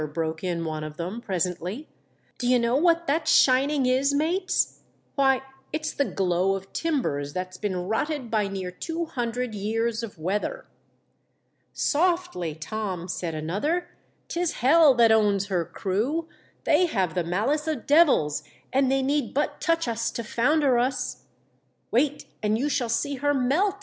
broke In one of them, presently, " d'ye know what that shining is, mates .* Why, it's the glow of timbers that's been rotted by near two hundred years of weather." "Softly, Tom!" said another; "'tis Hell that owns her crew ; they have the malice of devils, and they need but touch us to founder us." "Wait, and you shall see her melt!"